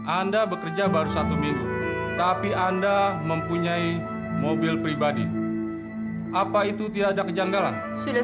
anda bekerja baru satu minggu tapi anda mempunyai mobil pribadi apa itu tidak ada kejanggalan sudah